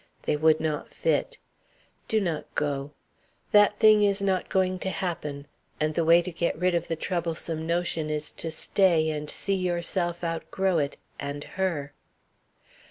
They would not fit. Do not go. That thing is not going to happen; and the way to get rid of the troublesome notion is to stay and see yourself outgrow it and her."